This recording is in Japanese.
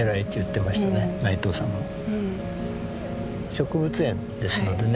植物園ですのでね